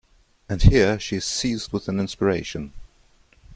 And here, she is seized with an inspiration.